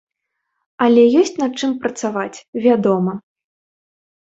Але ёсць над чым працаваць, вядома!